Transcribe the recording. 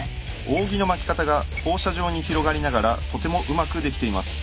扇の巻き方が放射状に広がりながらとてもうまくできています。